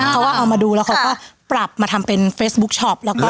เขาว่าเอามาดูพรับมาทำเป็นเฟสบุ๊คชอป